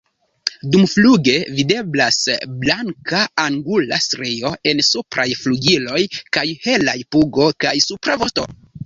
Dumfluge videblas blanka angula strio en supraj flugiloj kaj helaj pugo kaj supra vosto.